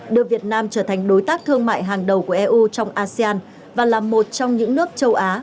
đưa việt nam trở thành đối tác thương mại hàng đầu của eu trong asean và là một trong những nước châu á